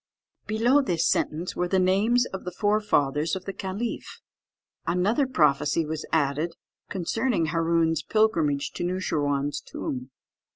Below this sentence were the names of the forefathers of the caliph. Another prophecy was added concerning Hâroon's pilgrimage to Noosheerwân's tomb.